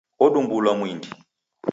Odumbulwa mwindi.